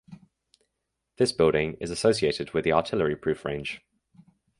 This building is associated with the Artillery Proof range.